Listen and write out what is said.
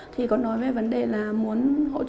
thì có nói về vấn đề là muốn hỗ trợ giúp đỡ bác sĩ